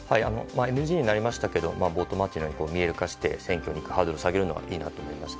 ＮＧになりましたけどボートマッチについて見える化し選挙のハードルを下げるのがいいなと思いました。